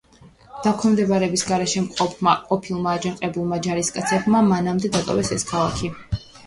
დაქვემდებარების გარეშე მყოფმა ყოფილმა აჯანყებულმა ჯარისკაცებმა მანამდე დატოვეს ეს ქალაქი.